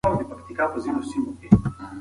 که موږ پوه شو، نو د غلطو پیغامونو سره به مخ نسو.